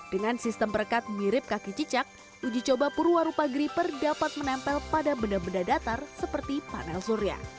dengan sistem perekat mirip kaki cicak uji coba purwarupa gripper dapat menempel pada benda benda datar seperti panel surya